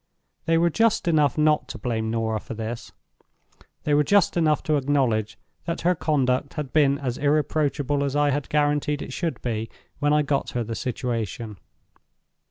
They were just enough not to blame Norah for this; they were just enough to acknowledge that her conduct had been as irreproachable as I had guaranteed it should be when I got her the situation.